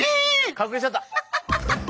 隠れちゃった！